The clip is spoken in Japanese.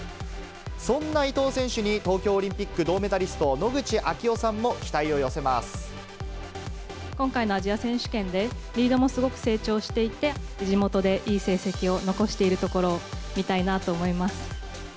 そんな伊藤選手に、東京オリンピック銅メダリスト、今回のアジア選手権で、リードもすごく成長していて、地元でいい成績を残しているところを見たいなと思います。